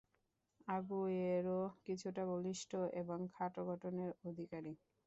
Aguero কিছুটা বলিষ্ঠ এবং খাটো গঠনের অধিকারী।